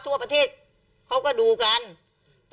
ก็แค่นี้มันกบได้ไหม